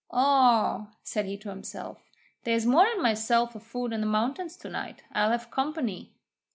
'Aw,' said he to himself, 'there's more than myself afoot on the mountains to night; I'll have company.'